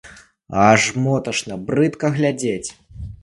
Аж моташна, брыдка глядзець.